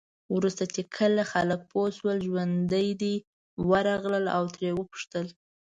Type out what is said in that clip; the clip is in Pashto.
وروسته چې خلک پوه شول ژوندي دی، ورغلل او ترې یې وپوښتل.